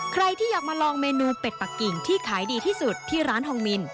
ใครที่อยากมาลองเมนูเป็ดปะกิ่งที่ขายดีที่สุดที่ร้านทองมิน